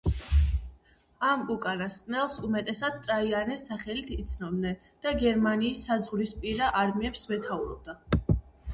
ამ უკანასკნელს უმეტესად ტრაიანეს სახელით იცნობდნენ და გერმანიის საზღვრისპირა არმიებს მეთაურობდა.